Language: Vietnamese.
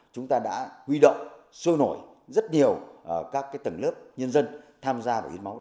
chúng ta đã huy động sôi nổi rất nhiều các tầng lớp nhân dân tham gia và hiến máu